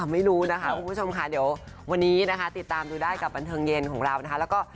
ไม่รู้นะคะคุณผู้ชมค่ะเดี๋ยววันนี้นะคะติดตามดูได้กับบันเทิงเย็นของเรานะคะ